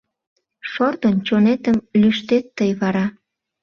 Шортын чонетым лӱштет тый вара.